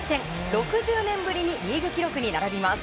６０年ぶりにリーグ記録に並びます。